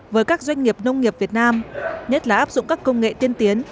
với các doanh nghiệp nông nghiệp việt nam nhất là áp dụng các công nghệ tiên tiến